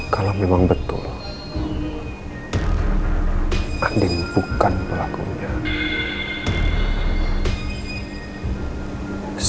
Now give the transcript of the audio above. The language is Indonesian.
kalau memang betul andin bukan pelakunya